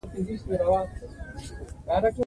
قومونه د افغانستان د هیوادوالو لپاره ویاړ دی.